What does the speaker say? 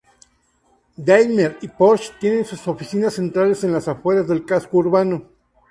Daimler y Porsche tienen sus oficinas centrales en las afueras del casco urbano.